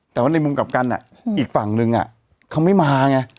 แต่ว่าในมุมกลับกันอ่ะอืมอีกฝั่งหนึ่งอ่ะเขาไม่มาไง